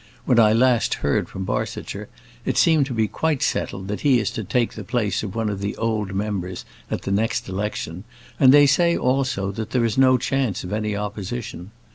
When I last heard from Barsetshire, it seemed to be quite settled that he is to take the place of one of the old members at the next election; and they say, also, that there is no chance of any opposition.